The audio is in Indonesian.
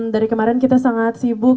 dari kemarin kita sangat sibuk